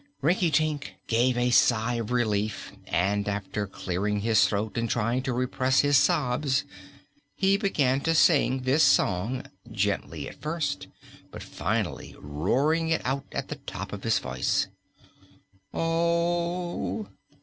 Rinkitink gave a sigh of relief and after clearing his throat and trying to repress his sobs he began to sing this song gently, at first, but finally roaring it out at the top of his voice: "Oh!